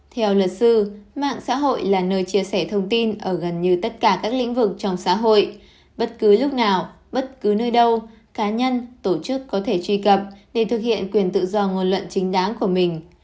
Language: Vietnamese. theo luật sư mạng xã hội là nơi chia sẻ thông tin ở gần như tất cả các lĩnh vực trong xã hội bất cứ lúc nào bất cứ nơi đâu cá nhân tổ chức có thể truy cập để thực hiện quyền tự do ngôn luận chính đáng của mình